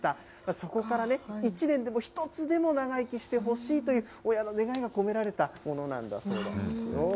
そこからね、１年でも、１つでも長生きしてほしいという親の願いが込められたものなんだそうですよ。